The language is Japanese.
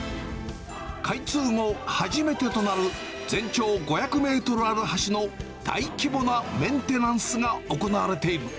開通後初めてとなる全長５００メートルある橋の大規模なメンテナンスが行われている。